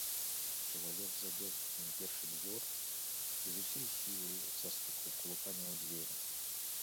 Чалавек забег на першы двор і з усёй сілы застукаў кулакамі ў дзверы.